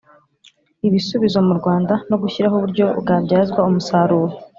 Ibisubizo mu rwanda no gushyiraho uburyo bwabyazwa umusaruro